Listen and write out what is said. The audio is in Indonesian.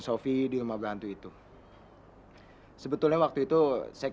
saya masih ngerjakan